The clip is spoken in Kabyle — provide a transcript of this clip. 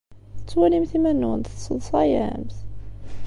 Tettwalimt iman-nwent tesseḍsayemt?